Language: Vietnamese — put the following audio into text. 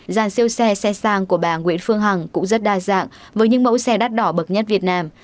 giàn siêu xe xe sang của bà nguyễn phương hằng cũng rất đa dạng với những mẫu xe đắt đỏ bậc nhất việt nam